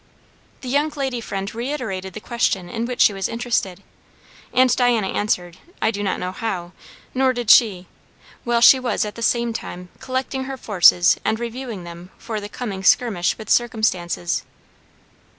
The young lady friend reiterated the question in which she was interested, and Diana answered; I do not know how, nor did she; while she was at the same time collecting her forces and reviewing them for the coming skirmish with circumstances.